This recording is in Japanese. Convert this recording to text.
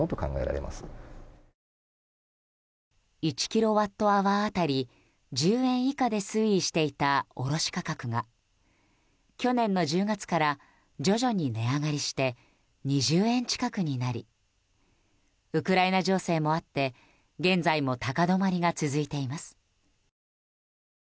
１キロワットアワー当たり１０円以下で推移していた卸価格が、去年の１０月から徐々に値上がりして２０円近くになりウクライナ情勢もあって現在も高止まりが続いています。